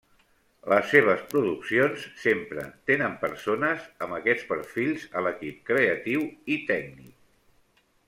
Les seves produccions sempre tenen persones amb aquests perfils a l'equip creatiu i tècnic.